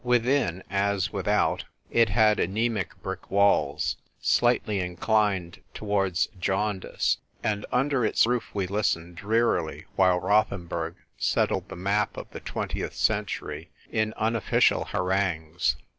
Within, as without, it had anaemic brick walls, slightly inclined towards jaundice, and under its roof we listened drearily while Rothenburg settled the map of the twentieth century in unofficial harangues.